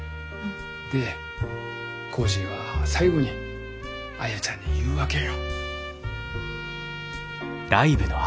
でコージーは最後にアヤちゃんに言うわけよ。